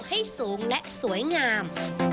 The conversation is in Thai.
ให้สูงและสวยงาม